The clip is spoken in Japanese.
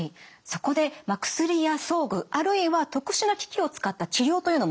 そこで薬や装具あるいは特殊な機器を使った治療というのもあるんですね。